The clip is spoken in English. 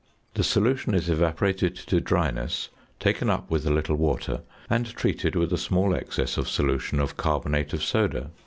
The solution is evaporated to dryness, taken up with a little water and treated with a small excess of solution of carbonate of soda.